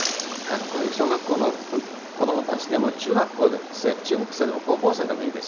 小学校の子どもたちでも中学生でも高校生でもいいです。